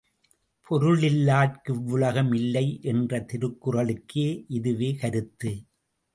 பொருளில்லார்க்கிவ்வுலகம் இல்லை என்ற திருக்குறளுக்கு இதுவே கருத்து.